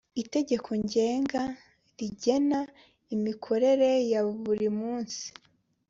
Itegeko Ngenga rigena imikorere ya buri munsi